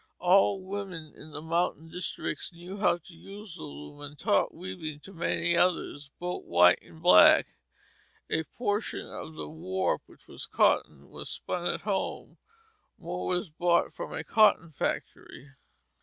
All women in the mountain districts knew how to use the loom, and taught weaving to many others, both white and black. A portion of the warp, which was cotton, was spun at home; more was bought from a cotton factory.